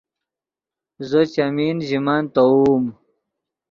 زو چیمین ژے مَنۡ تیووم